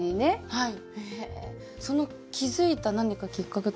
はい。